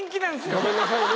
ごめんなさいね